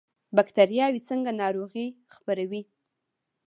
بکتریاوې څنګه ناروغي خپروي؟